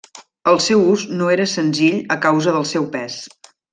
El seu ús no era senzill a causa del seu pes.